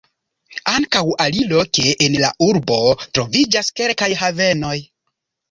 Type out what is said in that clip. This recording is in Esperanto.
Ankaŭ aliloke en la urbo troviĝas kelkaj havenoj.